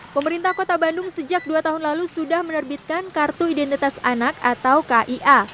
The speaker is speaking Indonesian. pemerintah kota bandung sejak dua tahun lalu sudah menerbitkan kartu identitas anak atau kia